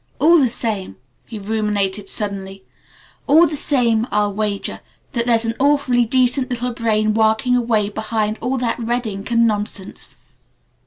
All the same " he ruminated suddenly: "All the same I'll wager that there's an awfully decent little brain working away behind all that red ink and nonsense."